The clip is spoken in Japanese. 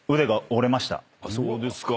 そうですか。